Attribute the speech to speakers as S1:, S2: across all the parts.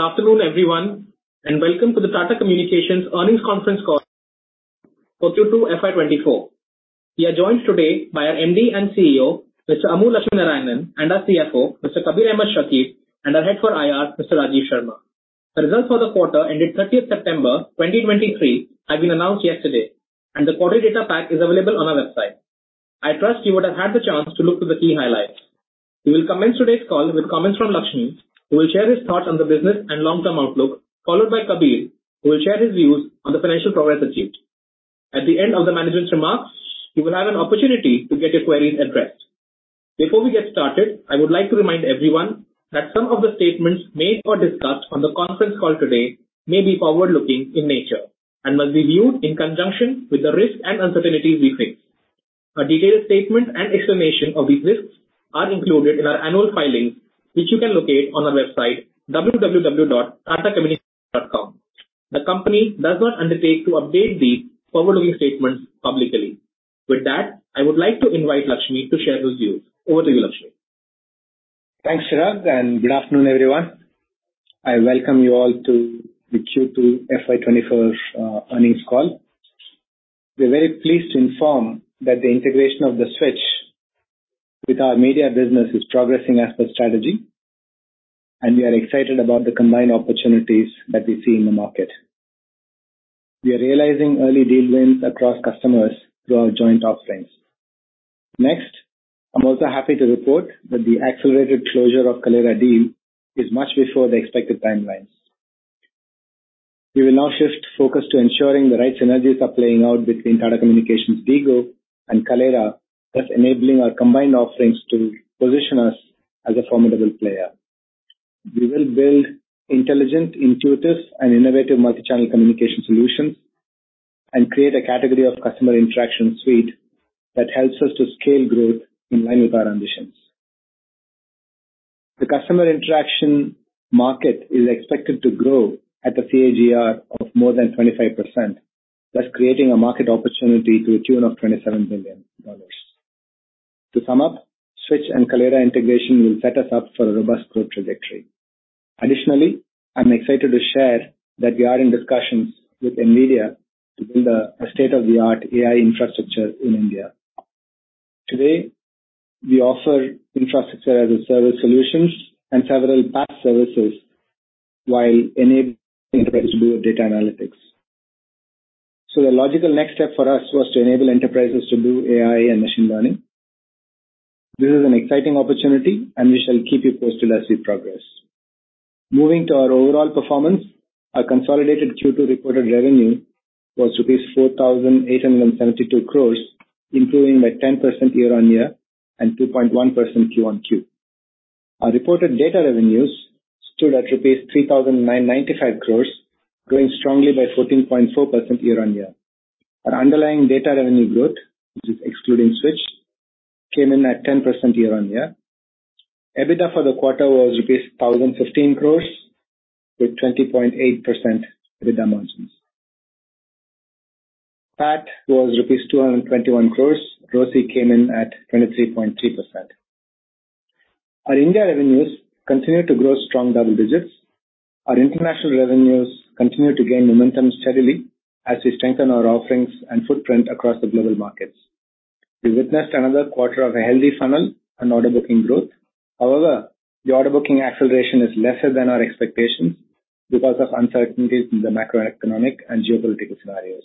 S1: Good afternoon, everyone, and welcome to the Tata Communications Earnings Conference Call for Q2 F.Y. 2024. We are joined today by our MD and CEO, Mr. Amur Lakshminarayanan, and our CFO, Mr. Kabir Ahmed Shakir, and our Head for I.R., Mr. Rajiv Sharma. The results for the quarter ended 30th September 2023 have been announced yesterday, and the quarter data pack is available on our website. I trust you would have had the chance to look through the key highlights. We will commence today's call with comments from Lakshmi, who will share his thoughts on the business and long-term outlook, followed by Kabir, who will share his views on the financial progress achieved. At the end of the management's remarks, you will have an opportunity to get your queries addressed. Before we get started, I would like to remind everyone that some of the statements made or discussed on the conference call today may be forward-looking in nature and must be viewed in conjunction with the risks and uncertainties we face. A detailed statement and explanation of these risks are included in our annual filings, which you can locate on our website, www.tatacommunications.com. The company does not undertake to update these forward-looking statements publicly. With that, I would like to invite Lakshmi to share his views. Over to you, Lakshmi.
S2: Thanks, Chirag, and good afternoon, everyone. I welcome you all to the Q2 F.Y. 2024 earnings call. We're very pleased to inform that the integration of The Switch with our media business is progressing as per strategy, and we are excited about the combined opportunities that we see in the market. We are realizing early deal wins across customers through our joint offerings. Next, I'm also happy to report that the accelerated closure of Kaleyra deal is much before the expected timelines. We will now shift focus to ensuring the right synergies are playing out between Tata Communications, DIGO, and Kaleyra, thus enabling our combined offerings to position us as a formidable player. We will build intelligent, intuitive, and innovative multi-channel communication solutions and create a category of Customer Interaction Suite that helps us to scale growth in line with our ambitions. The customer interaction market is expected to grow at a CAGR of more than 25%, thus creating a market opportunity to the tune of $27 billion. To sum up, Switch and Kaleyra integration will set us up for a robust growth trajectory. Additionally, I'm excited to share that we are in discussions with NVIDIA to build a state-of-the-art AI infrastructure in India. Today, we offer infrastructure as a service solutions and several PaaS services while enabling enterprises to do data analytics. The logical next step for us was to enable enterprises to do AI and machine learning. This is an exciting opportunity, and we shall keep you posted as we progress. Moving to our overall performance, our consolidated Q2 reported revenue was 4,872 crores rupees, improving by 10% year-over-year and 2.1% Q-on-Q. Our reported data revenues stood at rupees 3,995 crores, growing strongly by 14.4% year-on-year. Our underlying data revenue growth, which is excluding Switch, came in at 10% year-on-year. EBITDA for the quarter was rupees 1,015 crores, with 20.8% EBITDA margins. PAT was rupees 221 crores. ROCE came in at 23.3%. Our India revenues continued to grow strong double digits. Our international revenues continued to gain momentum steadily as we strengthen our offerings and footprint across the global markets. We witnessed another quarter of a healthy funnel and order booking growth. However, the order booking acceleration is lesser than our expectations because of uncertainties in the macroeconomic and geopolitical scenarios.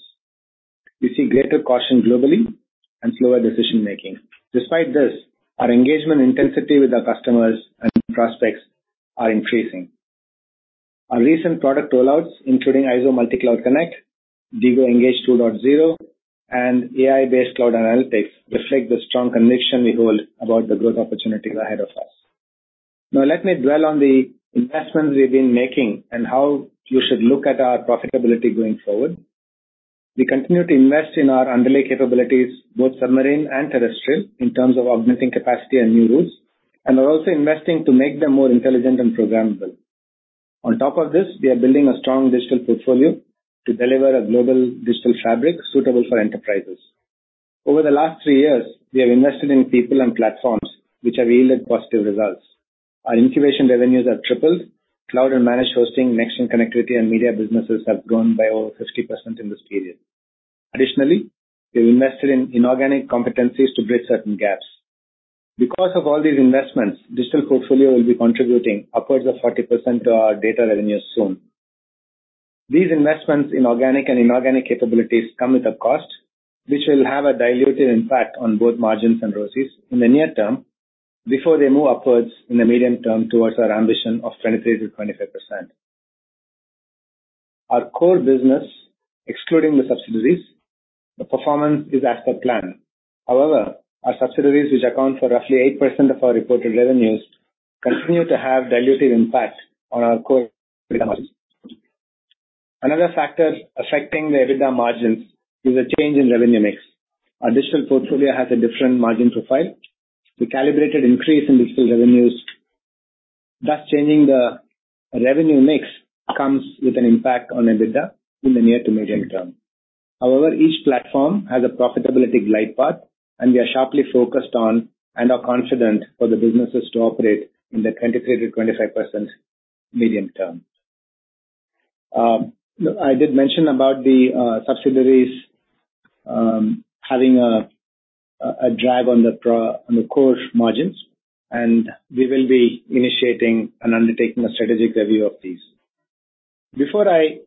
S2: We see greater caution globally and slower decision-making. Despite this, our engagement intensity with our customers and prospects are increasing. Our recent product rollouts, including IZO Multi Cloud Connect, DIGO Engage 2.0, and AI-based cloud analytics, reflect the strong conviction we hold about the growth opportunities ahead of us. Now, let me dwell on the investments we've been making and how you should look at our profitability going forward. We continue to invest in our underlay capabilities, both submarine and terrestrial, in terms of augmenting capacity and new routes, and we're also investing to make them more intelligent and programmable. On top of this, we are building a strong digital portfolio to deliver a global digital fabric suitable for enterprises. Over the last three years, we have invested in people and platforms which have yielded positive results. Our incubation revenues have tripled. Cloud and managed hosting, next-gen connectivity, and media businesses have grown by over 50% in this period. Additionally, we've invested in inorganic competencies to bridge certain gaps. Because of all these investments, digital portfolio will be contributing upwards of 40% to our data revenues soon. These investments in organic and inorganic capabilities come with a cost, which will have a dilutive impact on both margins and ROCEs in the near term, before they move upwards in the medium term towards our ambition of 23%-25%. Our core business, excluding the subsidiaries, the performance is as per plan. However, our subsidiaries, which account for roughly 8% of our reported revenues, continue to have dilutive impact on our core EBITDA margins. Another factor affecting the EBITDA margins is a change in revenue mix. Our digital portfolio has a different margin profile. The calibrated increase in digital revenues, thus changing the revenue mix, comes with an impact on EBITDA in the near to medium term. However, each platform has a profitability glide path, and we are sharply focused on, and are confident for the businesses to operate in the 23%-25% medium term. I did mention about the subsidiaries having a drag on the core margins, and we will be initiating and undertaking a strategic review of these. Before I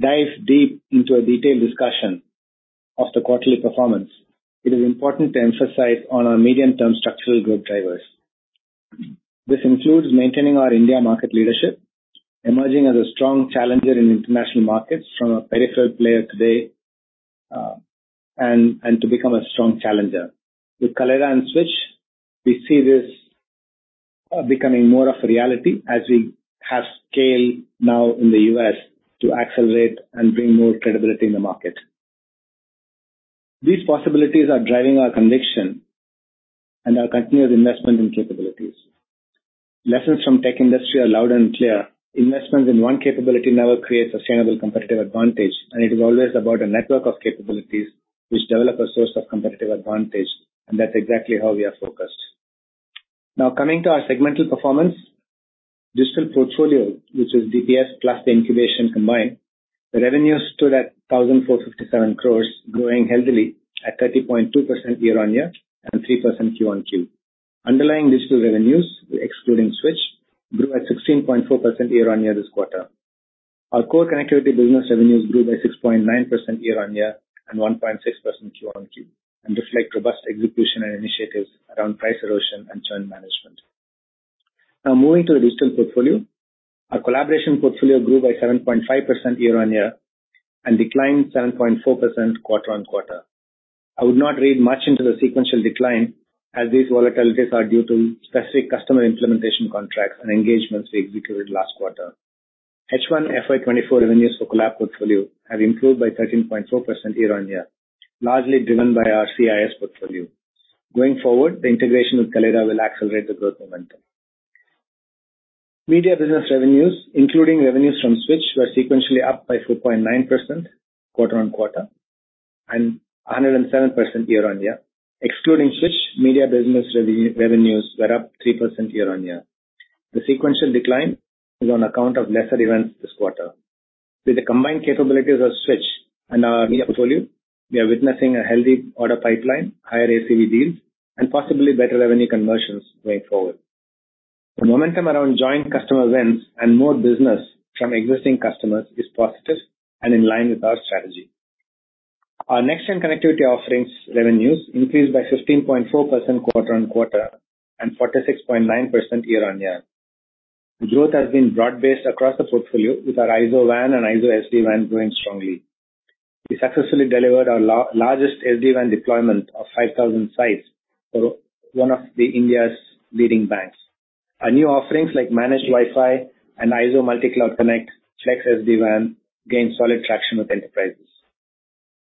S2: dive deep into a detailed discussion of the quarterly performance, it is important to emphasize on our medium-term structural growth drivers. This includes maintaining our India market leadership, emerging as a strong challenger in international markets from a peripheral player today and to become a strong challenger. With Kaleyra and Switch, we see this becoming more of a reality as we have scale now in the U.S. to accelerate and bring more credibility in the market. These possibilities are driving our conviction and our continued investment in capabilities. Lessons from tech industry are loud and clear. Investments in one capability never create sustainable competitive advantage, and it is always about a network of capabilities which develop a source of competitive advantage, and that's exactly how we are focused. Now, coming to our segmental performance, digital portfolio, which is DPS plus the incubation combined, the revenues stood at 1,457 crore, growing healthily at 30.2% year-on-year and 3% Q-on-Q. Underlying digital revenues, excluding Switch, grew at 16.4% year-on-year this quarter. Our core connectivity business revenues grew by 6.9% year-on-year and 1.6% Q-on-Q, and reflect robust execution and initiatives around price erosion and churn management. Now moving to the digital portfolio. Our collaboration portfolio grew by 7.5% year-on-year and declined 7.4% quarter-on-quarter. I would not read much into the sequential decline, as these volatilities are due to specific customer implementation contracts and engagements we executed last quarter. H1 FY 2024 revenues for Collab portfolio have improved by 13.4% year-on-year, largely driven by our CIS portfolio. Going forward, the integration with Kaleyra will accelerate the growth momentum. Media business revenues, including revenues from Switch, were sequentially up by 4.9% quarter-on-quarter and 107% year-on-year. Excluding Switch, media business revenues were up 3% year-on-year. The sequential decline is on account of lesser events this quarter. With the combined capabilities of Switch and our media portfolio, we are witnessing a healthy order pipeline, higher ACV deals, and possibly better revenue conversions going forward. The momentum around joint customer wins and more business from existing customers is positive and in line with our strategy. Our next-gen connectivity offerings revenues increased by 15.4% quarter-on-quarter and 46.9% year-on-year. The growth has been broad-based across the portfolio, with our IZO WAN and IZO SD-WAN growing strongly. We successfully delivered our largest SD-WAN deployment of 5,000 sites for one of the India's leading banks. Our new offerings, like Managed Wi-Fi and IZO Multi Cloud Connect, Flex SD-WAN, gained solid traction with enterprises.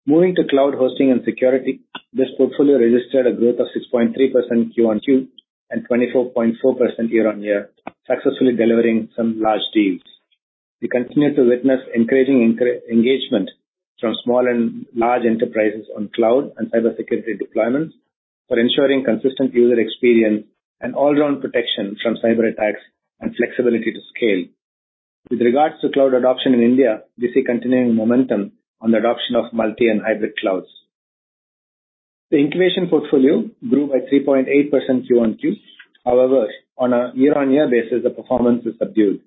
S2: Moving to cloud hosting and security, this portfolio registered a growth of 6.3% Q-on-Q and 24.4% year-on-year, successfully delivering some large deals. We continue to witness increasing engagement from small and large enterprises on cloud and cybersecurity deployments for ensuring consistent user experience and all-round protection from cyberattacks and flexibility to scale. With regards to cloud adoption in India, we see continuing momentum on the adoption of multi and hybrid clouds. The incubation portfolio grew by 3.8% Q-on-Q. However, on a year-on-year basis, the performance is subdued.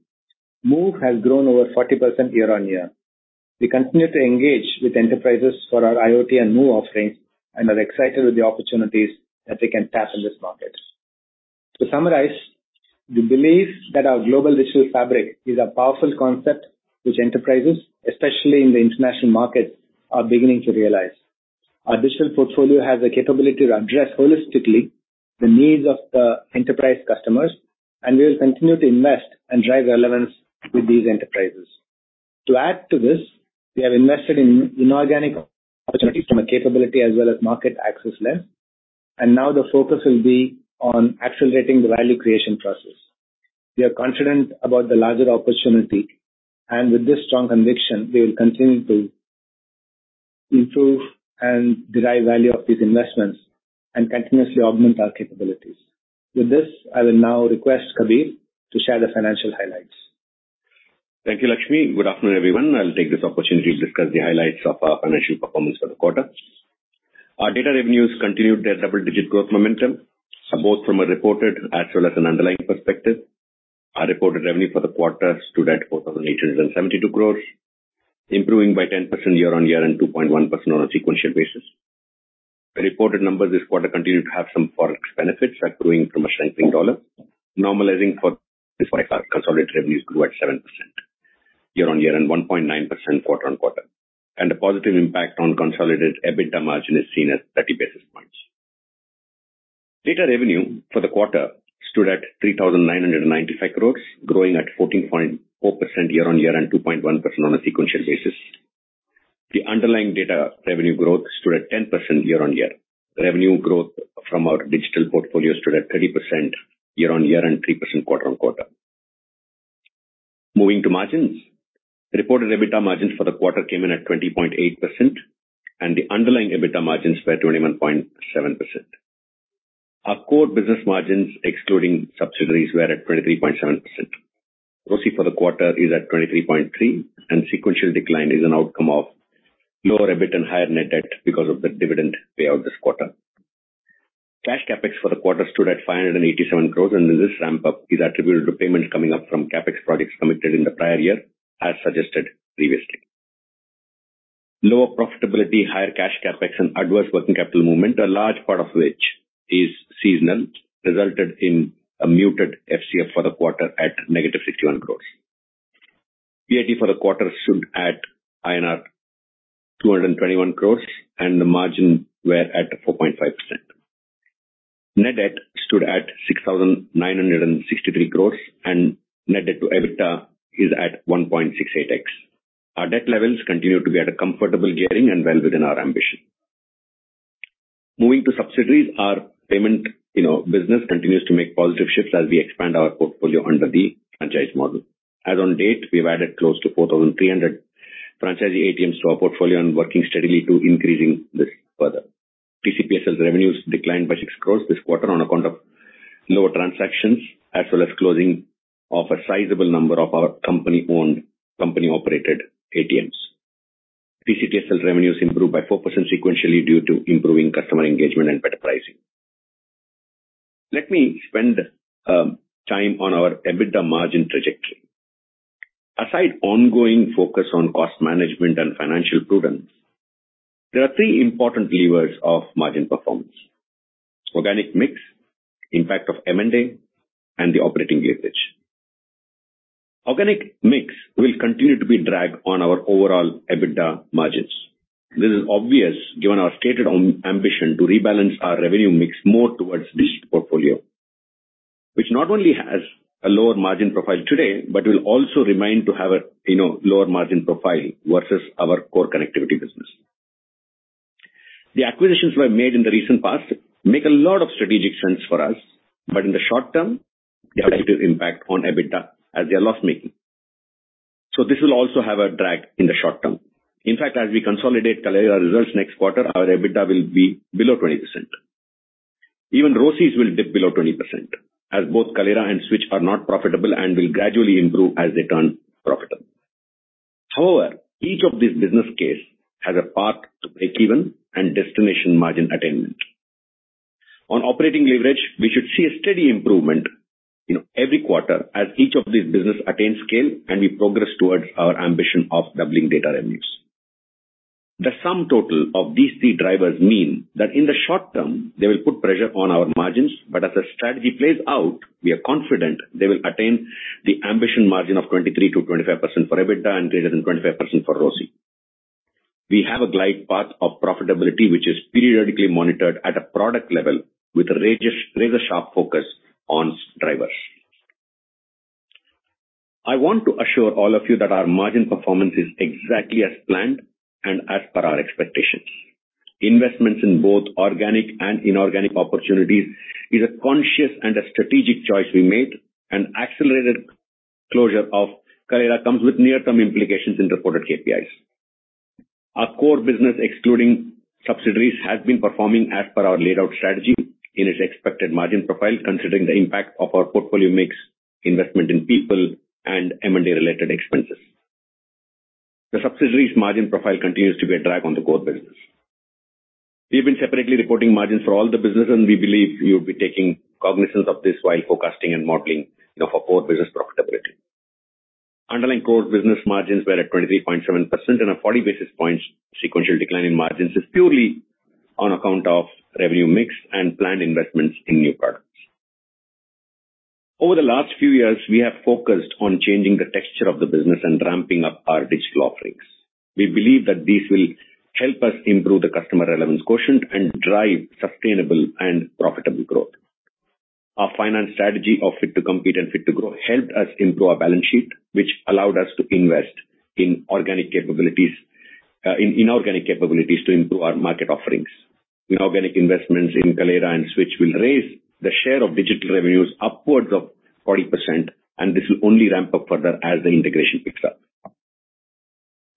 S2: MOVE has grown over 40% year-on-year. We continue to engage with enterprises for our IoT and MOVE offerings, and are excited with the opportunities that we can tap in this market. To summarize, we believe that our global digital fabric is a powerful concept which enterprises, especially in the international markets, are beginning to realize. Our digital portfolio has the capability to address holistically the needs of the enterprise customers, and we will continue to invest and drive relevance with these enterprises. To add to this, we have invested in inorganic opportunities from a capability as well as market access lens, and now the focus will be on accelerating the value creation process. We are confident about the larger opportunity, and with this strong conviction, we will continue to improve and derive value of these investments and continuously augment our capabilities. With this, I will now request Kabir to share the financial highlights.
S3: Thank you, Lakshmi. Good afternoon, everyone. I'll take this opportunity to discuss the highlights of our financial performance for the quarter. Our data revenues continued their double-digit growth momentum, both from a reported as well as an underlying perspective. Our reported revenue for the quarter stood at 4,872 crores, improving by 10% year-on-year and 2.1% on a sequential basis. The reported number this quarter continued to have some forex benefits, accruing from a strengthening dollar. Normalizing for this, our consolidated revenues grew at 7% year-on-year and 1.9% quarter-on-quarter, and a positive impact on consolidated EBITDA margin is seen at 30 basis points. Data revenue for the quarter stood at 3,995 crores, growing at 14.4% year-on-year and 2.1% on a sequential basis. The underlying data revenue growth stood at 10% year-on-year. Revenue growth from our digital portfolio stood at 30% year-on-year and 3% quarter-on-quarter. Moving to margins. Reported EBITDA margins for the quarter came in at 20.8%, and the underlying EBITDA margins were 21.7%. Our core business margins, excluding subsidiaries, were at 23.7%. ROCE for the quarter is at 23.3%, and sequential decline is an outcome of lower EBIT and higher net debt because of the dividend payout this quarter. Cash CapEx for the quarter stood at 587 crores, and this ramp-up is attributed to payments coming up from CapEx projects committed in the prior year, as suggested previously. Lower profitability, higher cash CapEx, and adverse working capital movement, a large part of which is seasonal, resulted in a muted FCF for the quarter at negative 61 crore. PAT for the quarter stood at INR 221 crore, and the margin were at 4.5%. Net debt stood at 6,963 crore, and net debt to EBITDA is at 1.68x. Our debt levels continue to be at a comfortable gearing and well within our ambition. Moving to subsidiaries, our payment, you know, business continues to make positive shifts as we expand our portfolio under the franchise model. As on date, we've added close to 4,300 franchise ATMs to our portfolio and working steadily to increasing this further. TCPSL's revenues declined by 6 crores this quarter on account of lower transactions, as well as closing of a sizable number of our company-owned, company-operated ATMs. TCTSL revenues improved by 4% sequentially due to improving customer engagement and better pricing. Let me spend time on our EBITDA margin trajectory. Aside ongoing focus on cost management and financial prudence, there are three important levers of margin performance: organic mix, impact of M&A, and the operating leverage. Organic mix will continue to be a drag on our overall EBITDA margins. This is obvious, given our stated ambition to rebalance our revenue mix more towards digital portfolio, which not only has a lower margin profile today, but will also remain to have a, you know, lower margin profile versus our core connectivity business. The acquisitions were made in the recent past, make a lot of strategic sense for us, but in the short term, they have a negative impact on EBITDA as they are loss-making. This will also have a drag in the short term. In fact, as we consolidate Kaleyra results next quarter, our EBITDA will be below 20%. Even ROCEs will dip below 20%, as both Kaleyra and Switch are not profitable and will gradually improve as they turn profitable. However, each of these business case has a path to breakeven and destination margin attainment. On operating leverage, we should see a steady improvement, you know, every quarter as each of these business attains scale, and we progress towards our ambition of doubling data revenues. The sum total of these three drivers mean that in the short term, they will put pressure on our margins, but as the strategy plays out, we are confident they will attain the ambition margin of 23%-25% for EBITDA and greater than 25% for ROCE. We have a glide path of profitability, which is periodically monitored at a product level with a razor-sharp focus on drivers. I want to assure all of you that our margin performance is exactly as planned and as per our expectations. Investments in both organic and inorganic opportunities is a conscious and a strategic choice we made, and accelerated closure of Kaleyra comes with near-term implications in reported KPIs. Our core business, excluding subsidiaries, has been performing as per our laid-out strategy in its expected margin profile, considering the impact of our portfolio mix, investment in people, and M&A-related expenses. The subsidiaries' margin profile continues to be a drag on the core business. We've been separately reporting margins for all the business, and we believe you'll be taking cognizance of this while forecasting and modeling, you know, for core business profitability. Underlying core business margins were at 23.7%, and a 40 basis points sequential decline in margins is purely on account of revenue mix and planned investments in new products. Over the last few years, we have focused on changing the texture of the business and ramping up our digital offerings. We believe that this will help us improve the customer relevance quotient and drive sustainable and profitable growth. Our finance strategy of Fit to Compete and Fit to Grow helped us improve our balance sheet, which allowed us to invest in organic capabilities in inorganic capabilities to improve our market offerings. Inorganic investments in Kaleyra and Switch will raise the share of digital revenues upwards of 40%, and this will only ramp up further as the integration picks up.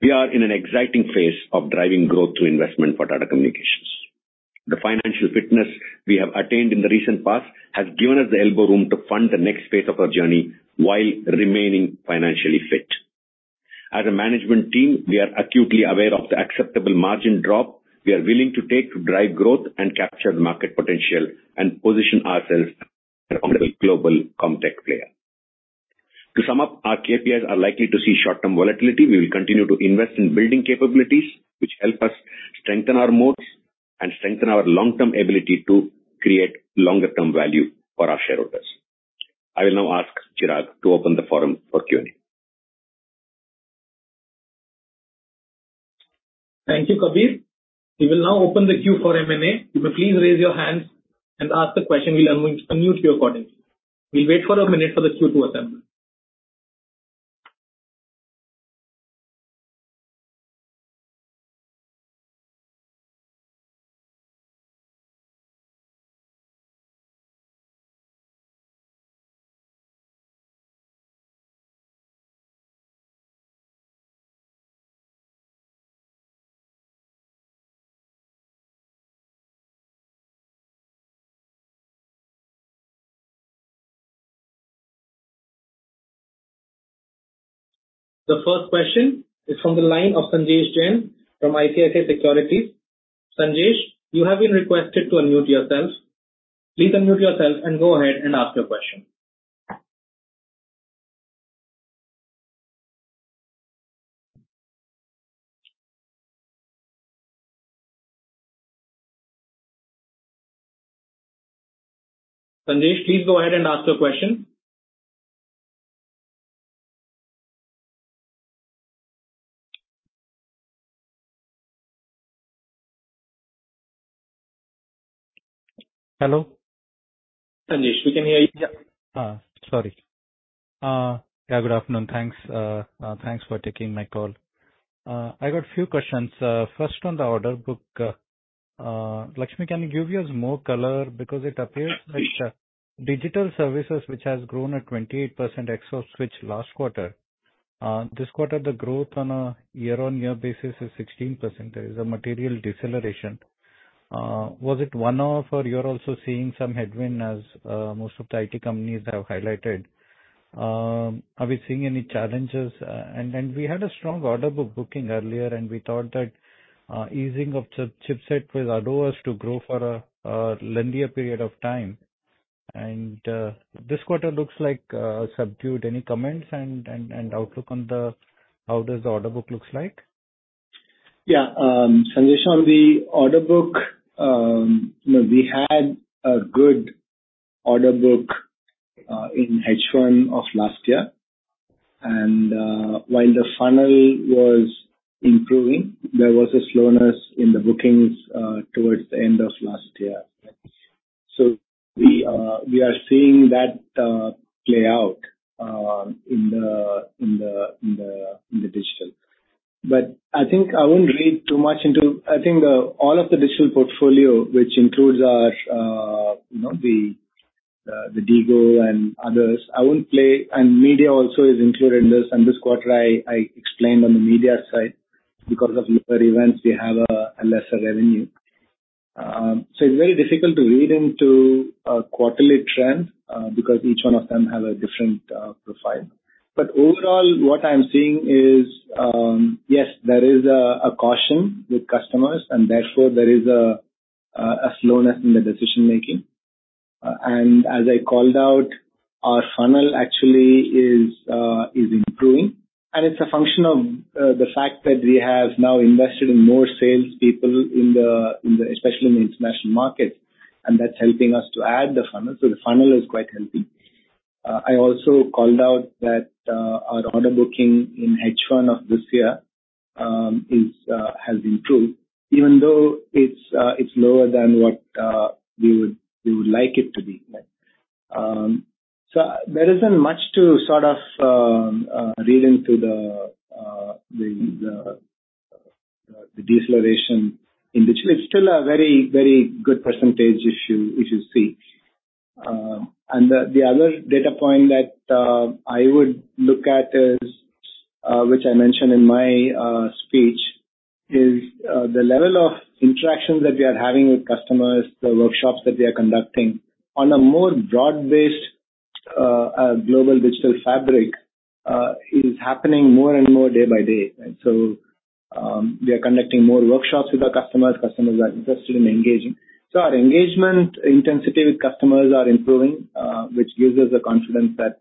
S3: We are in an exciting phase of driving growth through investment for Tata Communications. The financial fitness we have attained in the recent past has given us the elbow room to fund the next phase of our journey while remaining financially fit. As a management team, we are acutely aware of the acceptable margin drop we are willing to take to drive growth and capture the market potential and position ourselves as a global Comtech player. To sum up, our KPIs are likely to see short-term volatility. We will continue to invest in building capabilities, which help us strengthen our moats and strengthen our long-term ability to create longer-term value for our shareholders. I will now ask Chirag to open the forum for Q&A. Thank you, Kabir. We will now open the queue for Q&A. Please raise your hand and ask your question. We will unmute you accordingly. We will wait for a minute for the queue to assemble. The first question is from the line of Sanjesh Jain from ICICI Securities. Sanjesh, you have been requested to unmute yourself. Please unmute yourself and go ahead and ask your question. Sanjesh, please go ahead and ask your question.
S4: Hello?
S1: Sanjesh, we can hear you.
S4: Sorry. Yeah, good afternoon. Thanks for taking my call. I got a few questions. First, on the order book, Lakshmi, can you give us more color? Because it appears like digital services, which has grown at 28% ex Switch last quarter, this quarter, the growth on a year-on-year basis is 16%. There is a material deceleration. Was it one-off, or you're also seeing some headwind as most of the I.T. companies have highlighted? Are we seeing any challenges? We had a strong order book booking earlier, and we thought that easing of the chipset will allow us to grow for a lengthier period of time. This quarter looks like subdued. Any comments and outlook on how does the order book looks like?
S2: Yeah. Sanjesh, on the order book, you know, we had a good order book in H1 of last year, and while the funnel was improving, there was a slowness in the bookings towards the end of last year. We are seeing that play out in the digital. But I think I wouldn't read too much into... I think all of the digital portfolio, which includes our, you know, DIGO and others, and media also is included in this, and this quarter, I explained on the media side, because of lower events, we have a lesser revenue. It's very difficult to read into a quarterly trend because each one of them have a different profile. Overall, what I'm seeing is, yes, there is a caution with customers, and therefore, there is a slowness in the decision-making. As I called out, our funnel actually is improving, and it's a function of the fact that we have now invested in more salespeople, especially in the international markets, and that's helping us to add the funnel. The funnel is quite healthy. I also called out that our order booking in H1 of this year has improved, even though it's lower than what we would like it to be. There isn't much to sort of read into the deceleration in which it's still a very, very good percentage issue, which you see. The other data point that I would look at is, which I mentioned in my speech, is the level of interactions that we are having with customers, the workshops that we are conducting on a more broad-based global digital fabric, is happening more and more day by day. We are conducting more workshops with our customers. Customers are interested in engaging. Our engagement intensity with customers are improving, which gives us the confidence that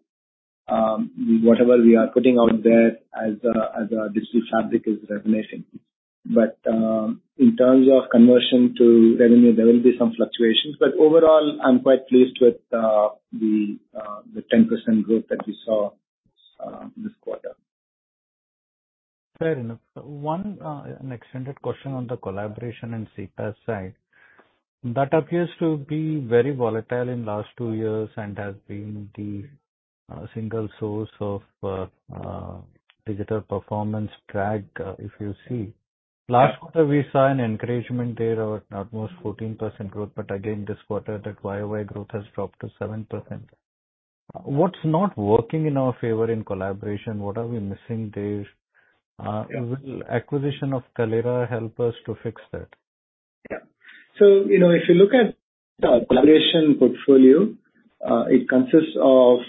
S2: whatever we are putting out there as a digital fabric is resonating. In terms of conversion to revenue, there will be some fluctuations. Overall, I'm quite pleased with the 10% growth that we saw this quarter.
S4: Fair enough. One, an extended question on the collaboration and CPaaS side. That appears to be very volatile in last two years and has been the single source of digital performance drag if you see. Last quarter, we saw an encouragement there of at most 14% growth, but again, this quarter, that Y-o-Y growth has dropped to 7%. What's not working in our favor in collaboration? What are we missing there? Will acquisition of Kaleyra help us to fix that?
S2: You know, if you look at the collaboration portfolio, it consists of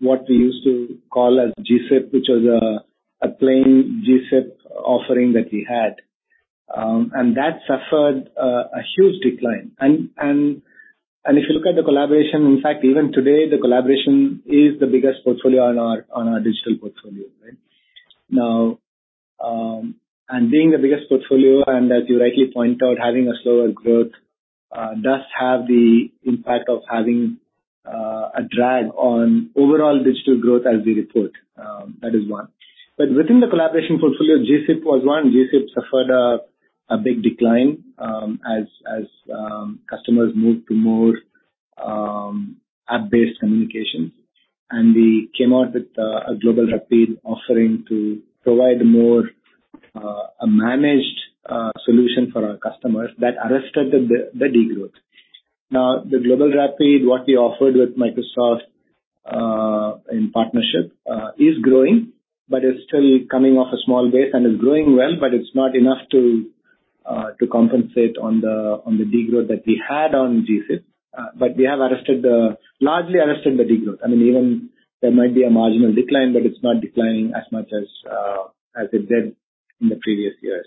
S2: what we used to call as GSIP, which was a plain GSIP offering that we had. That suffered a huge decline. If you look at the collaboration, in fact, even today, the collaboration is the biggest portfolio on our digital portfolio right now, and being the biggest portfolio, and as you rightly point out, having a slower growth does have the impact of having a drag on overall digital growth as we report. That is one. Within the collaboration portfolio, GSIP was one. GSIP suffered a big decline as customers moved to more app-based communications, and we came out with a GlobalRapide offering to provide more managed solution for our customers that arrested the degrowth. The GlobalRapide, what we offered with Microsoft in partnership, is growing, but it's still coming off a small base, and is growing well, but it's not enough to compensate on the degrowth that we had on GSIP. We have arrested the, largely arrested the degrowth. I mean, even there might be a marginal decline, but it's not declining as much as it did in the previous years.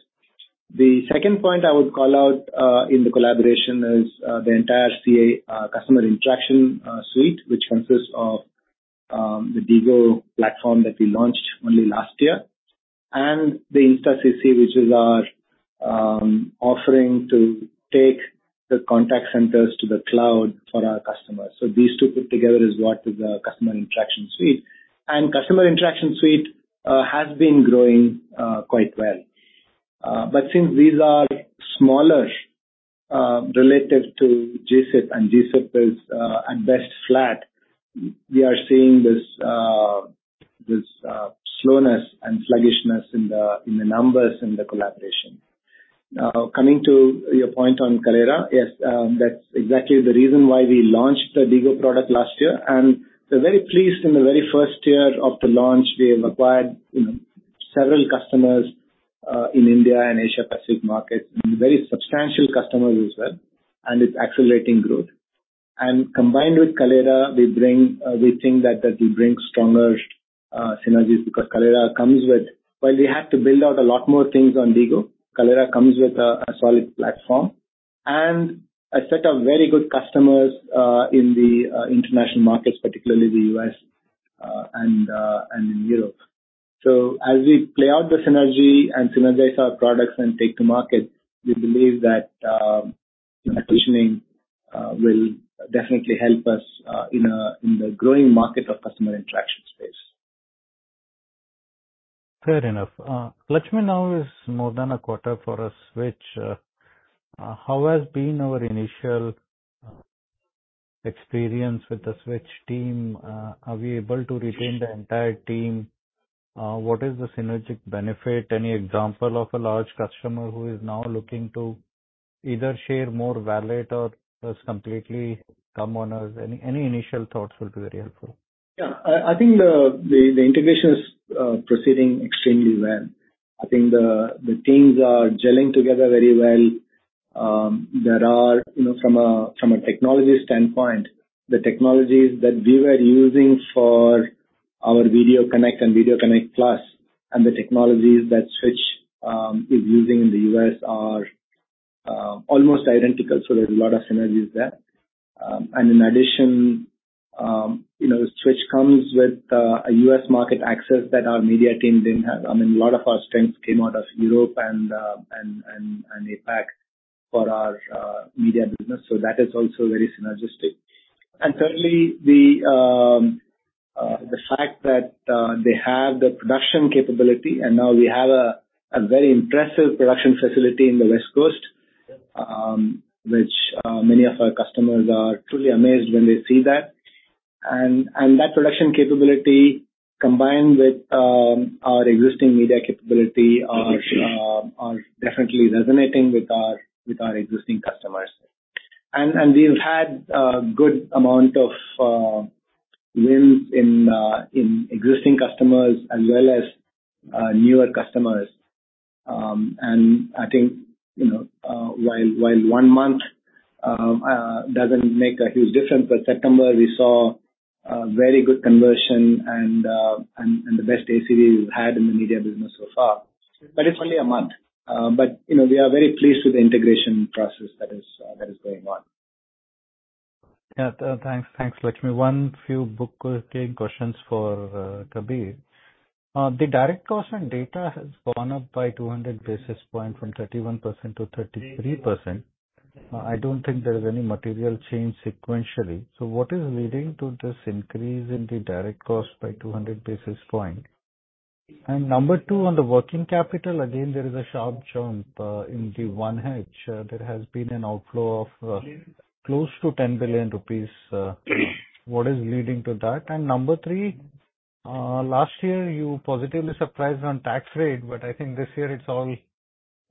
S2: The second point I would call out in the collaboration is the entire CIS Customer Interaction Suite, which consists of the DIGO platform that we launched only last year, and the InstaCC, which is our offering to take the contact centers to the cloud for our customers. These two put together is what is our Customer Interaction Suite. Customer Interaction Suite has been growing quite well. But since these are smaller relative to GSIP, and GSIP is at best flat, we are seeing this slowness and sluggishness in the numbers in the collaboration. Now, coming to your point on Kaleyra. Yes, that's exactly the reason why we launched the DIGO product last year, and we're very pleased in the very first year of the launch. We have acquired, you know, several customers in India and Asia Pacific markets, and very substantial customer as well, and it's accelerating growth. Combined with Kaleyra, we think that we bring stronger synergies, because Kaleyra comes with... While we have to build out a lot more things on DIGO, Kaleyra comes with a solid platform and a set of very good customers in the international markets, particularly the U.S. and in Europe. As we play out the synergy and synergize our products and take to market, we believe that acquisitioning will definitely help us in the growing market of customer interaction space.
S4: Fair enough. Lakshmi, now is more than a quarter for us. How has been our initial experience with the Switch team? Are we able to retain the entire team? What is the synergic benefit? Any example of a large customer who is now looking to either share more validate or just completely come on us? Any initial thoughts will be very helpful.
S2: Yeah. I think the integration is proceeding extremely well. I think the teams are gelling together very well. You know, from a technology standpoint, the technologies that we were using for our Video Connect and Video Connect+, and the technologies that Switch is using in the U.S. are almost identical, so there's a lot of synergies there. In addition, you know, Switch comes with a U.S. market access that our media team didn't have. I mean, a lot of our strengths came out of Europe and APAC for our media business, so that is also very synergistic. Certainly, the fact that they have the production capability, and now we have a very impressive production facility in the West Coast, which many of our customers are truly amazed when they see that. That production capability, combined with our existing media capability, are definitely resonating with our existing customers. We've had a good amount of wins in existing customers as well as newer customers. I think, you know, while one month doesn't make a huge difference, but September, we saw a very good conversion and the best ACV we've had in the media business so far. It's only a month. But we are very pleased with the integration process that is going on`.
S4: Thanks. Thanks, Lakshmi. One, two bookkeeping questions for Kabir. The direct cost in Data has gone up by 200 basis points, from 31% to 33%. I don't think there is any material change sequentially. What is leading to this increase in the direct cost by 200 basis point? Number two, on the working capital, again, there is a sharp jump in the 1H. There has been an outflow of close to 10 billion rupees. What is leading to that? Number three, last year, you positively surprised on tax rate, but I think this year it's all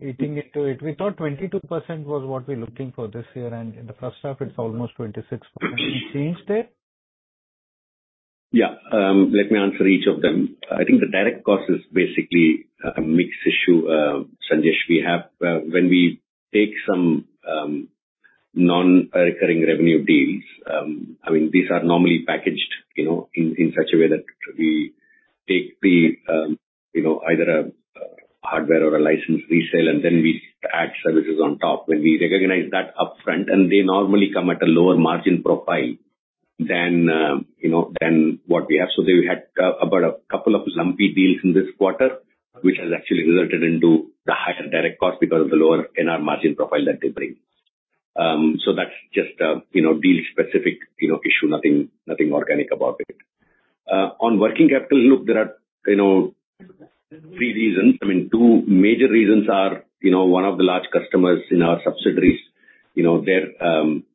S4: eating into it. We thought 22% was what we're looking for this year, and in the first half, it's almost 26%. Any change there?
S3: Yeah. Let me answer each of them. I think the direct cost is basically a mixed issue, Sanjesh. When we take some non-recurring revenue deals, I mean, these are normally packaged, you know, in such a way that we take the, you know, either a hardware or a license resale, and then we add services on top. When we recognize that upfront, and they normally come at a lower margin profile than, you know, what we have. We had about a couple of lumpy deals in this quarter, which has actually resulted into the higher direct cost because of the lower NR margin profile that they bring. That's just a, you know, deal-specific, you know, issue, nothing organic about it. On working capital, look, there are, you know, three reasons. I mean, two major reasons are, you know, one of the large customers in our subsidiaries... You know, their,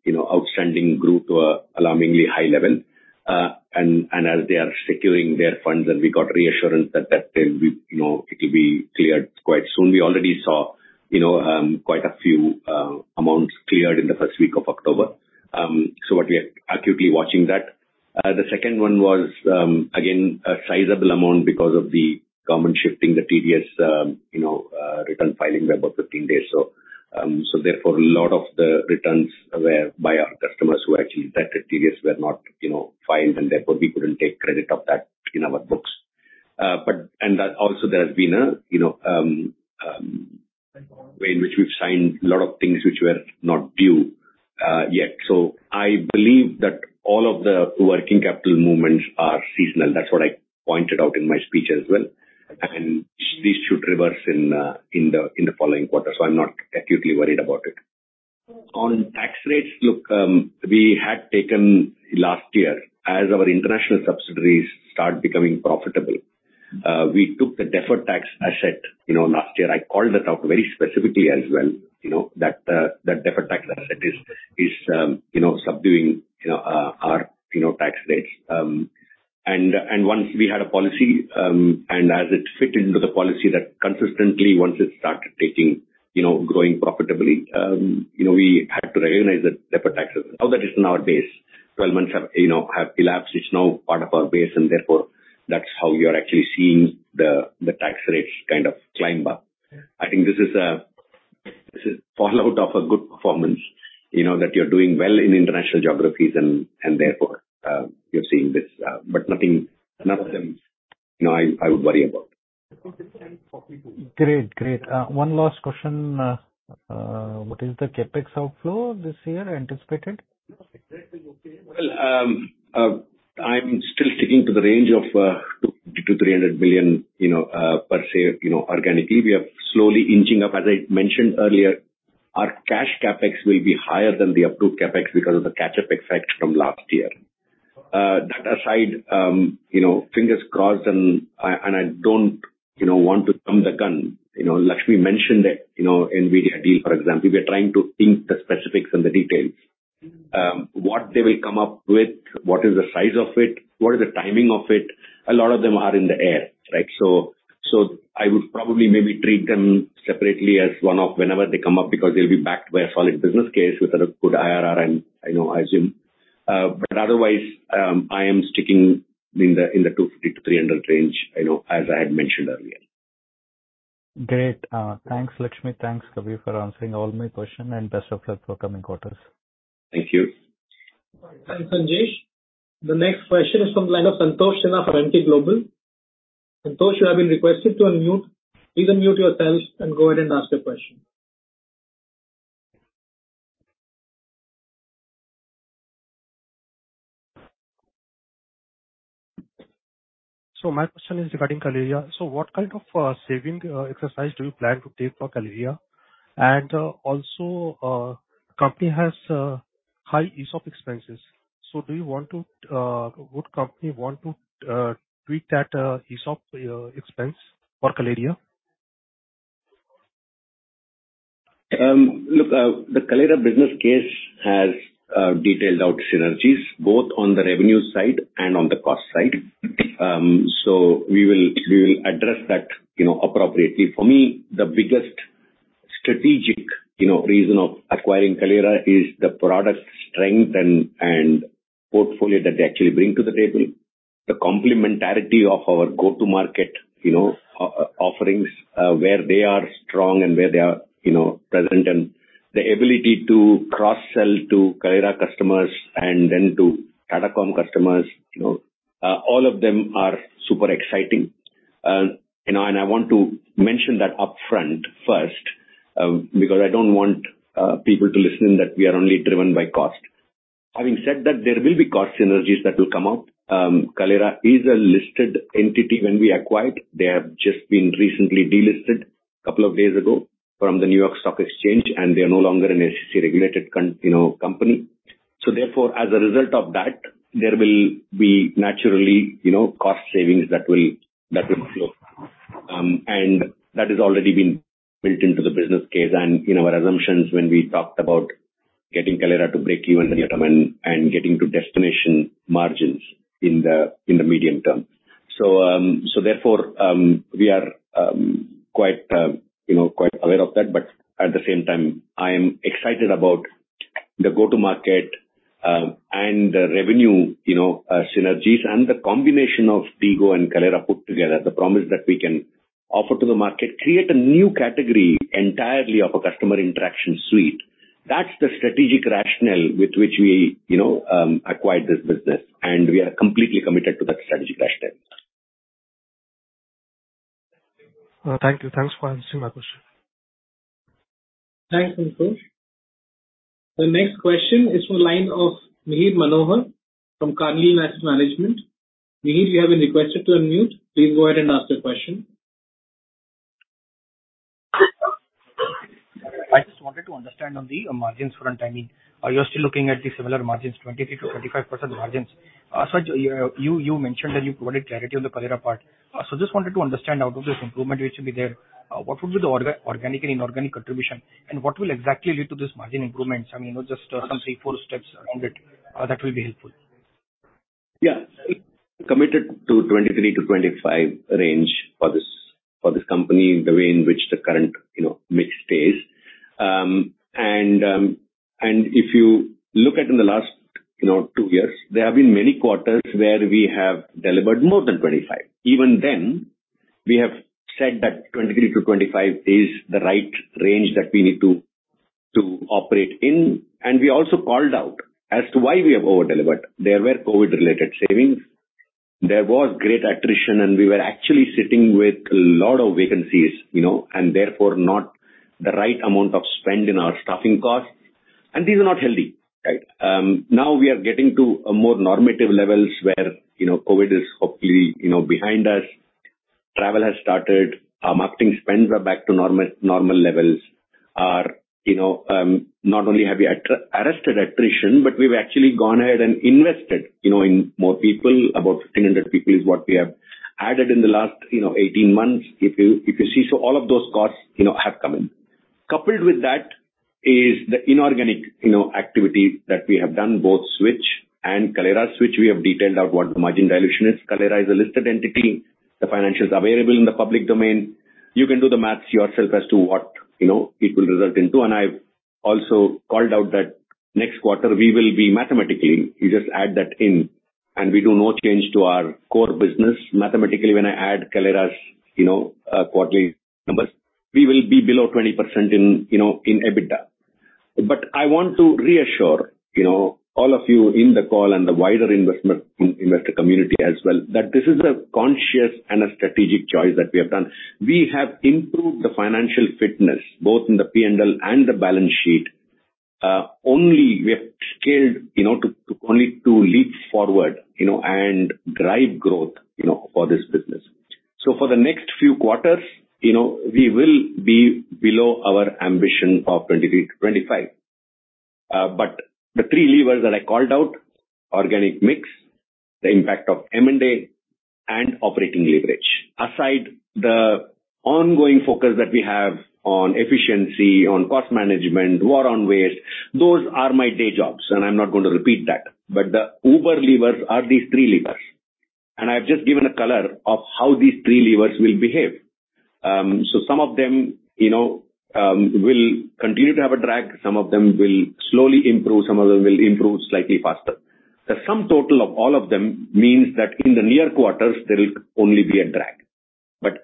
S3: you know, outstanding grew to a alarmingly high level. As they are securing their funds, and we got reassurance that that will be, you know, it will be cleared quite soon. We already saw, you know, quite a few amounts cleared in the first week of October. What we are acutely watching that. The second one was, again, a sizable amount because of the government shifting the TDS, you know, return filing by about 15 days. Therefore, a lot of the returns were by our customers who actually that TDS were not, you know, filed, and therefore we couldn't take credit of that in our books. That also there has been a, you know, way in which we've signed a lot of things which were not due yet. I believe that all of the working capital movements are seasonal. That's what I pointed out in my speech as well. This should reverse in the following quarter, so I'm not acutely worried about it. On tax rates, look, we had taken last year as our international subsidiaries start becoming profitable. We took the deferred tax asset, you know, last year. I called it out very specifically as well, you know, that that deferred tax asset is, you know, subduing, you know, our, you know, tax rates. Once we had a policy, and as it fit into the policy that consistently, once it started taking, you know, growing profitably, you know, we had to recognize that deferred taxes. Now that is in our base. 12 months have, you know, elapsed. It's now part of our base, and therefore that's how you're actually seeing the tax rates kind of climb up. I think this is fallout of a good performance. You know, that you're doing well in international geographies and therefore you're seeing this, but nothing, none of them, you know, I would worry about.
S4: Great. Great. One last question. What is the CapEx outflow this year anticipated?
S3: Well, I'm still sticking to the range of 200 billion-300 billion, you know, per se. You know, organically, we are slowly inching up. As I mentioned earlier, our cash CapEx will be higher than the approved CapEx because of the catch-up effect from last year. That aside, you know, fingers crossed, and I don't, you know, want to run the gun. You know, Lakshmi mentioned it, you know, NVIDIA deal, for example, we are trying to think the specifics and the details. What they will come up with, what is the size of it, what is the timing of it? A lot of them are in the air, right? I would probably maybe treat them separately as one-off whenever they come up because they'll be backed by a solid business case with a good IRR, and I know, I assume. Otherwise, I am sticking in the $250-$300 range, I know, as I had mentioned earlier.
S4: Great. Thanks, Lakshmi. Thanks, Kabir, for answering all my question, and best of luck for coming quarters.
S3: Thank you.
S1: Thanks, Sanjesh. The next question is from the line of Santosh Sinha from Emkay Global. Santosh, you have been requested to unmute. Please unmute yourself and go ahead and ask your question.
S5: My question is regarding Kaleyra. What kind of saving exercise do you plan to take for Kaleyra? Also, company has high ESOP expenses. Would company want to tweak that ESOP expense for Kaleyra?
S3: Look, the Kaleyra business case has detailed out synergies both on the revenue side and on the cost side. We will, we will address that, you know, appropriately. For me, the biggest strategic, you know, reason of acquiring Kaleyra is the product strength and, and portfolio that they actually bring to the table. The complementarity of our go-to-market, you know, offerings, where they are strong and where they are, you know, present, and the ability to cross-sell to Kaleyra customers and then to Tata Communications customers, you know. All of them are super exciting. You know, I want to mention that upfront first, because I don't want people to listen in, that we are only driven by cost. Having said that, there will be cost synergies that will come out. Kaleyra is a listed entity when we acquired. They have just been recently delisted a couple of days ago from the New York Stock Exchange, and they are no longer an SEC-regulated, you know, company. Therefore, as a result of that, there will be naturally, you know, cost savings that will flow. That has already been built into the business case and, you know, our assumptions when we talked about getting Kaleyra to break even and getting to destination margins in the medium term. Therefore, we are quite, you know, quite aware of that, but at the same time, I am excited about the go-to-market and the revenue, you know, synergies and the combination of DIGO and Kaleyra put together. The promise that we can offer to the market, create a new category entirely of a Customer Interaction Suite. That's the strategic rationale with which we, you know, acquired this business, and we are completely committed to that strategic rationale.
S5: Thank you. Thanks for answering my question.
S1: Thanks, Santosh. The next question is from the line of Mihir Manohar from Carnelian Asset Management. Mihir, you have been requested to unmute. Please go ahead and ask your question.
S6: I just wanted to understand on the margins front timing. Are you still looking at the similar margins, 23%-25% margins? You mentioned that you provided clarity on the Kaleyra part. Just wanted to understand out of this improvement, which will be there, what would be the organic and inorganic contribution, and what will exactly lead to this margin improvements? I mean, just some three, four steps around it, that will be helpful.
S3: Yeah, committed to 23%-25% range for this company, the way in which the current, you know, mix stays. If you look at in the last, you know, two years, there have been many quarters where we have delivered more than 25%. Even then, we have said that 23%-25% is the right range that we need to operate in. We also called out as to why we have over-delivered. There were COVID-related savings, there was great attrition, and we were actually sitting with a lot of vacancies, you know, and therefore, not the right amount of spend in our staffing costs. These are not healthy, right? Now we are getting to a more normative levels where, you know, COVID is hopefully, you know, behind us. Travel has started. Our marketing spends are back to normal, normal levels. Our, you know, not only have we arrested attrition, but we've actually gone ahead and invested, you know, in more people. About 1,500 people is what we have added in the last, you know, 18 months, if you see. All of those costs, you know, have come in. Coupled with that is the inorganic, you know, activity that we have done, both Switch and Kaleyra. Switch, we have detailed out what the margin dilution is. Kaleyra is a listed entity. The financial is available in the public domain. You can do the maths yourself as to what, you know, it will result into. I've also called out that next quarter we will be mathematically, you just add that in, and we do no change to our core business. Mathematically, when I add Kaleyra's, you know, quarterly numbers, we will be below 20% in, you know, EBITDA. I want to reassure, you know, all of you in the call and the wider investment, investor community as well, that this is a conscious and a strategic choice that we have done. We have improved the financial fitness, both in the P&L and the balance sheet. Only we have scaled, you know, to only to leap forward, you know, and drive growth, you know, for this business. For the next few quarters, you know, we will be below our ambition of 23%-25%. The three levers that I called out, organic mix, the impact of M&A, and operating leverage. Aside the ongoing focus that we have on efficiency, on cost management, war on waste, those are my day jobs, and I'm not going to repeat that. The uber levers are these three levers, and I've just given a color of how these three levers will behave. Some of them, you know, will continue to have a drag, some of them will slowly improve, some of them will improve slightly faster. The sum total of all of them means that in the near quarters, there will only be a drag.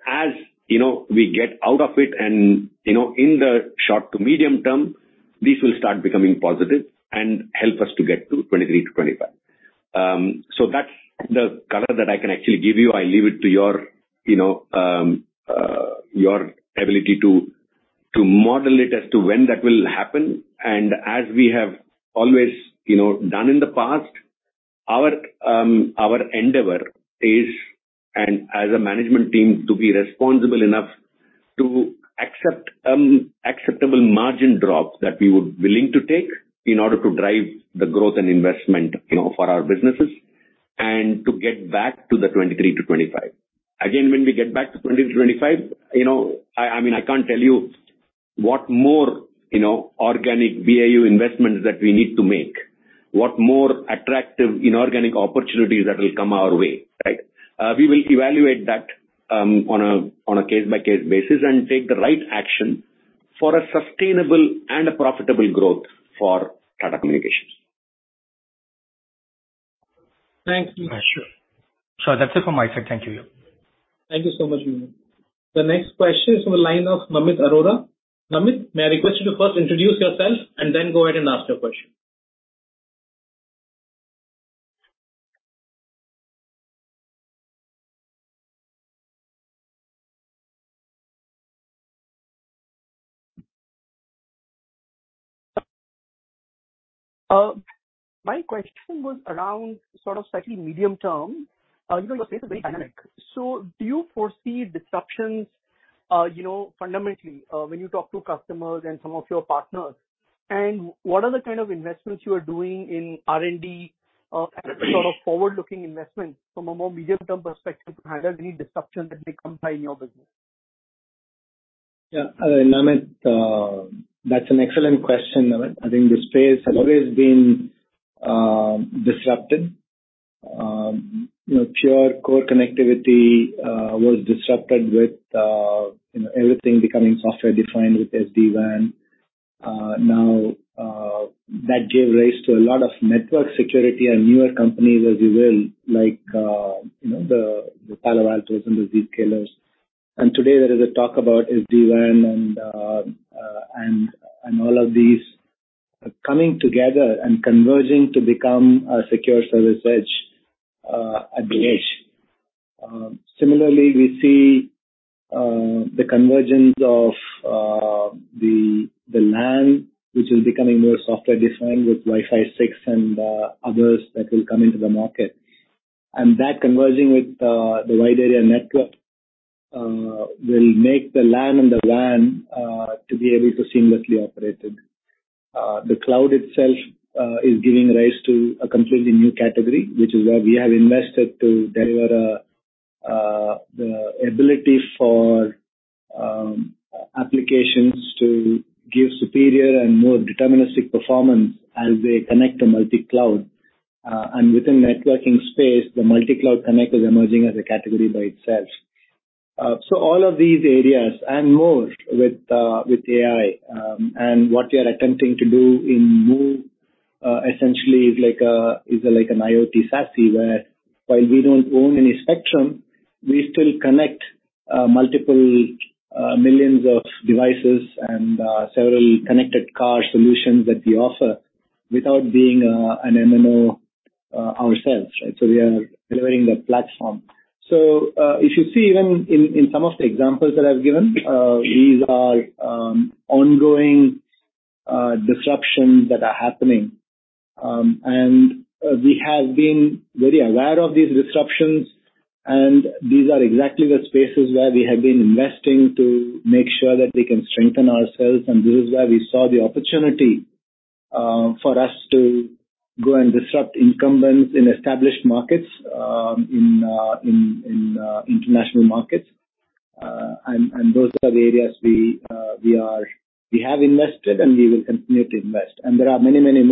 S3: As you know, we get out of it and, you know, in the short to medium term, this will start becoming positive and help us to get to 23%-25%. That's the color that I can actually give you. I leave it to your, you know, ability to model it as to when that will happen. As we have always, you know, done in the past, our endeavor is, and as a management team, to be responsible enough to accept acceptable margin drops that we would willing to take in order to drive the growth and investment, you know, for our businesses, and to get back to the 23%-25%. Again, when we get back to 23%-25%, you know, I mean, I can't tell you what more, you know, organic value investments that we need to make, what more attractive inorganic opportunities that will come our way, right? We will evaluate that on a case-by-case basis and take the right action for a sustainable and a profitable growth for Tata Communications.
S1: Thank you.
S6: Sure. That's it from my side. Thank you.
S1: Thank you so much. The next question is from the line of Namit Arora. Namit, may I request you to first introduce yourself and then go ahead and ask your question?
S7: My question was around sort of slightly medium term. You know, your space is very dynamic. Do you foresee disruptions, you know, fundamentally, when you talk to customers and some of your partners? What are the kind of investments you are doing in R&D, sort of forward-looking investments from a more medium-term perspective to handle any disruption that may come by in your business?
S2: Yeah, Namit, that's an excellent question, Namit. I think the space has always been disrupted. You know, pure core connectivity was disrupted with, you know, everything becoming software-defined with SD-WAN. Now that gave rise to a lot of network security and newer companies, as you will, like, you know, the Palo Altos and the Zscaler. Today there is a talk about SD-WAN and all of these coming together and converging to become a secure service edge at the edge. Similarly, we see the convergence of the LAN, which is becoming more software-defined with Wi-Fi 6 and others that will come into the market. That, converging with the wide area network, will make the LAN and the WAN to be able to seamlessly operate it. The cloud itself is giving rise to a completely new category, which is where we have invested to deliver the ability for applications to give superior and more deterministic performance as they connect to multi-cloud. Within networking space, the Multi Cloud Connect is emerging as a category by itself. All of these areas and more with AI and what we are attempting to do in MOVE essentially is like an IoT SASE, where while we don't own any spectrum, we still connect multiple millions of devices and several connected car solutions that we offer without being an MVNO ourselves, right? We are delivering the platform. If you see even in some of the examples that I've given, these are ongoing disruptions that are happening. We have been very aware of these disruptions, and these are exactly the spaces where we have been investing to make sure that we can strengthen ourselves, and this is where we saw the opportunity for us to go and disrupt incumbents in established markets, in international markets. Those are the areas we have invested, and we will continue to invest. There are many, many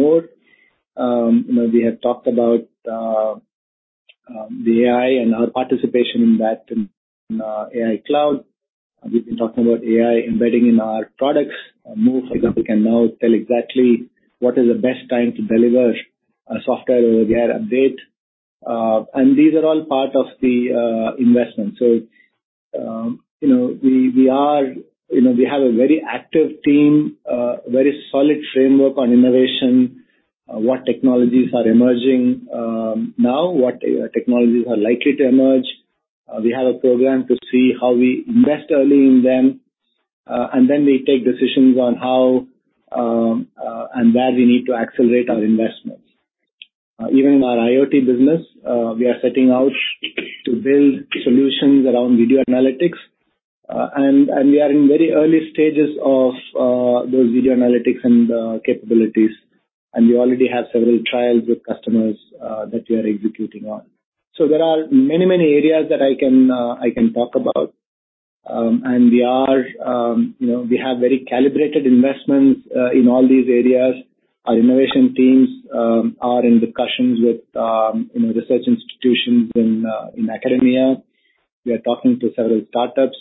S2: more. You know, we have talked about the AI and our participation in that, in AI cloud. We've been talking about AI embedding in our products. MOVE, for example, can now tell exactly what is the best time to deliver a software or AI update. These are all part of the investment. You know, we have a very active team, a very solid framework on innovation, what technologies are emerging now, what technologies are likely to emerge. We have a program to see how we invest early in them, and then we take decisions on how and where we need to accelerate our investments. Even in our IoT business, we are setting out to build solutions around video analytics. We are in very early stages of those video analytics and capabilities, and we already have several trials with customers that we are executing on. There are many, many areas that I can talk about. We have, you know, very calibrated investments in all these areas. Our innovation teams are in discussions with research institutions in academia. We are talking to several startups.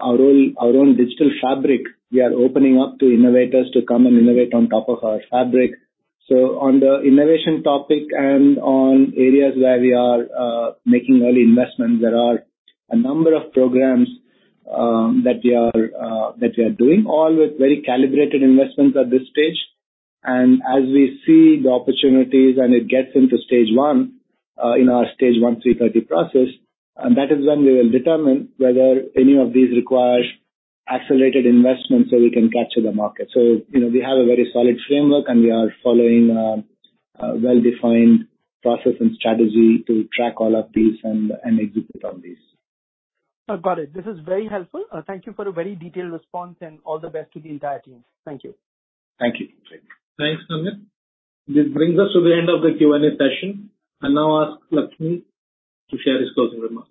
S2: Our own digital fabric, we are opening up to innovators to come and innovate on top of our fabric. So, on the innovation topic and on areas, where we are making early investments, there are a number of programs that we are doing all with very calibrated investments at this stage and as we see the opportunities, and it gets into stage one; in our stage 1/3/30 process, and that is when we will determine whether any of these requires accelerated investment, so we can capture the market. So, we have a very solid framework, and we are following a well-defined process and strategy to track all of these and execute all of this.
S7: I've got it. This is very helpful. Thank you for the very detailed response, and all the best to the entire team. Thank you.
S2: Thank you.
S1: Thanks, Namit. This brings us to the end of the Q&A session. I now ask Lakshmi to share his closing remarks.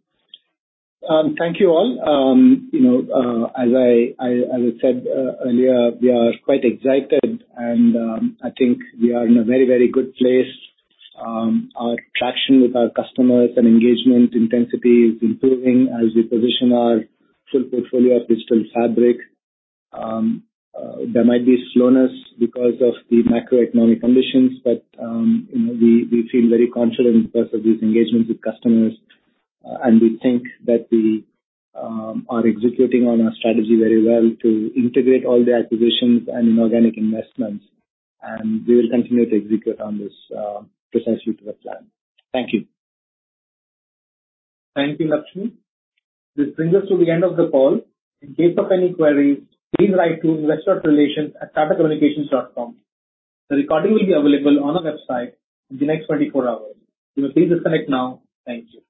S2: Thank you, all. You know, as I said earlier, we are quite excited, and I think we are in a very, very good place. Our traction with our customers and engagement intensity is improving as we position our full portfolio of digital fabric. There might be slowness because of the macroeconomic conditions, but you know, we feel very confident because of these engagements with customers. We think that we are executing on our strategy very well to integrate all the acquisitions and inorganic investments, and we will continue to execute on this precisely to the plan. Thank you.
S1: Thank you, Lakshmi. This brings us to the end of the call. In case of any queries, please write to investorrelations@tatacommunications.com. The recording will be available on our website in the next 24 hours. You may please disconnect now. Thank you.